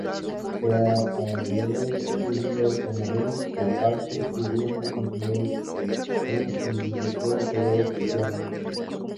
Se abrevia como His o H. Su grupo funcional es un imidazol cargado positivamente.